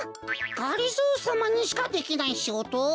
がりぞーさまにしかできないしごと？